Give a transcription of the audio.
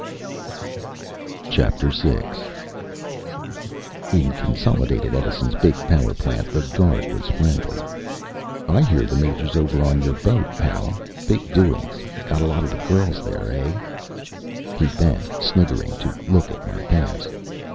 VI In Consolidated Edison's big power plant, the guard was friendly. "I hear the Major's over on your boat, pal. Big doings. Got a lot of the girls there, hey?" He bent, sniggering, to look at my pass.